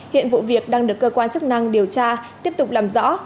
hiện vụ việc đang được cơ quan chức năng điều tra tiếp tục làm rõ